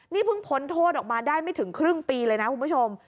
นี่เพิ่งพ้นโทษออกมาได้ไม่ถึงครึ่งปีเลยนะคุณผู้ชม